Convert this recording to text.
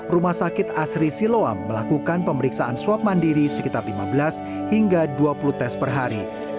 rumah sakit asri siloam melakukan pemeriksaan swab mandiri sekitar lima belas hingga dua puluh tes per hari